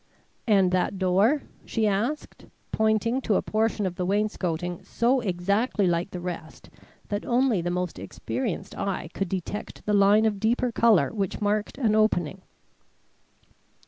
"And that door?" she asked, pointing to a portion of the wainscoting so exactly like the rest that only the most experienced eye could detect the line of deeper colour which marked an opening.